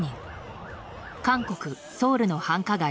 韓国ソウルの繁華街